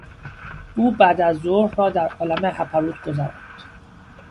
او بعد از ظهر را در عالم هپروت گذراند.